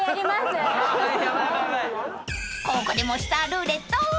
［ここでもしツアルーレット］